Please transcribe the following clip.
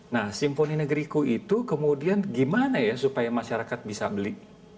nah simfoni negeriku itu kemudian gimana ya supaya masyarakat bisa beli